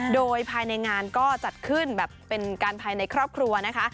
โดยภายในงานก็จัดขึ้นแบบเป็นการภายในครอบครัวนะคะ